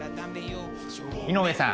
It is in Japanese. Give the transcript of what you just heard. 井上さん